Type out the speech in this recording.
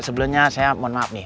sebelumnya saya mohon maaf nih